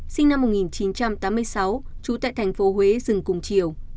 sinh năm một nghìn chín trăm tám mươi sáu chú tại tp huế dừng cùng chiều